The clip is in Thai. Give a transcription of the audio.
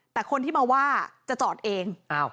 แต่คนที่มาว่าจะจอดเอง